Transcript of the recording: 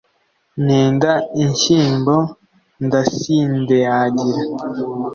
nenda inshyimbo ndasindeagira